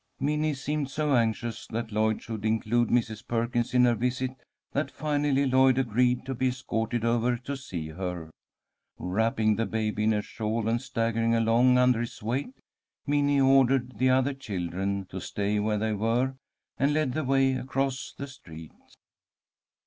Minnie seemed so anxious that Lloyd should include Mrs. Perkins in her visit that finally Lloyd agreed to be escorted over to see her. Wrapping the baby in a shawl, and staggering along under its weight, Minnie ordered the other children to stay where they were, and led the way across the street.